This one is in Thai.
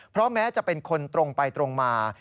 เพราะแม้จะเป็นคนตรงไปตรงมา